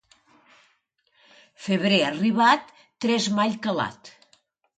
Febrer arribat, tresmall calat.